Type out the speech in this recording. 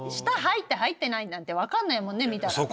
舌入った入ってないなんて分かんないもんね見たら。